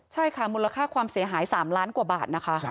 ใช่ค่ะมูลค่าความเสียหาย๓ล้านกว่าบาทนะคะ